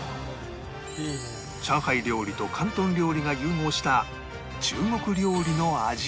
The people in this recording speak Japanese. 上海料理と広東料理が融合した中国料理の味を